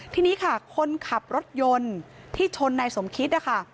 ทีนี้ค่ะคนขับรถยนต์ที่ชนนายสมคิดนะคะ